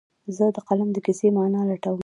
زه د فلم د کیسې معنی لټوم.